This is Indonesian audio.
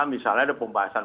misalnya ada pembahasan